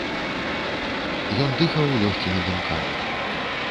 Ён дыхаў лёгкімі дымкамі.